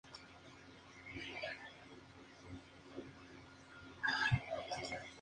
El tallo de la flor se utiliza comúnmente en arreglos florales secos.